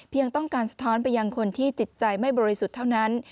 ต้องการสะท้อนไปยังคนที่จิตใจไม่บริสุทธิ์เท่านั้น